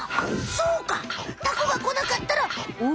そうかタコがこなかったらおお。